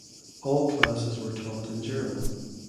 All classes were taught in German.